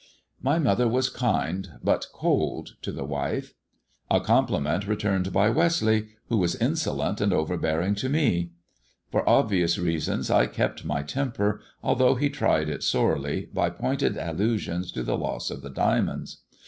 My mother was kind but cold to the wife ; a compliment returned by Westleigh, who was insolent and overbeariog to me. For obvious reasons I kept my temper, although he tried it sorely by pointed allusions to the loss of the diamonds.